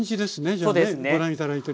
じゃあねご覧頂いてるような。